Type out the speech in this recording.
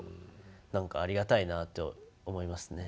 何かありがたいなと思いますね。